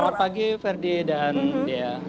selamat pagi ferdi dan dea